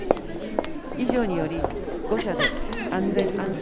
以上により、５者で安全・安心